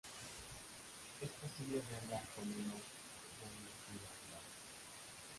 Es posible verla con unos buenos binoculares.